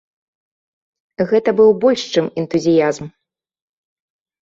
Гэта быў больш чым энтузіязм.